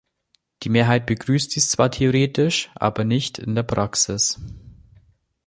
Die Mehrheit begrüßt dies zwar theoretisch, aber nicht in der Praxis.